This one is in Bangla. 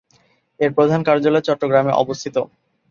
এর প্রধান কার্যালয় চট্টগ্রামে অবস্থিত।